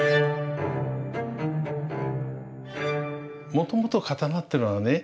もともと刀ってのはね